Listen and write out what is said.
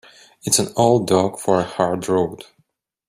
It's an old dog for a hard road.